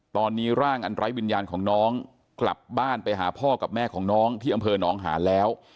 ตอนนี้ร่างอันไร้วิญญาณของน้องกลับบ้านไปหาพ่อกับแม่ของน้องที่อำเภอหนองหานแล้ว